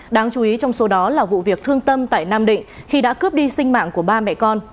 đáng chú ý trong số đó là vụ việc thương tâm tại nam định khi đã cướp đi sinh mạng của ba mẹ con